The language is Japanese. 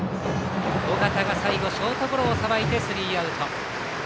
緒方が最後ショートゴロさばいてスリーアウト。